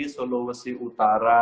solo besi utara